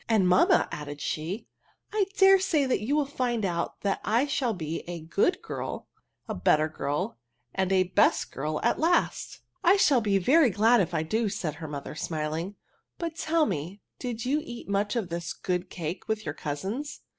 And^ mamma/' added she^ " I dare say you will find out that I shall be a good girl, a better girl| and a best girl at last '*" I shall be very glad if I do," said her mother, smiling ;" but tell me did you eat much of this good cake with your cousins?